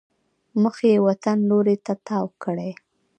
مخ یې وطن لوري ته تاو کړی.